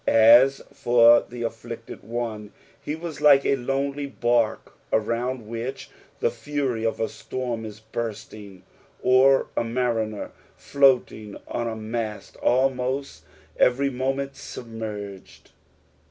As for the afflicted one he was like a lonely bark around which the fury of a storm is bursting, or a mariner floating on a mast, almost every moment submerged.